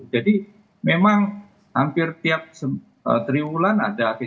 jadi memang hampir tiap triwulan ada kecepatan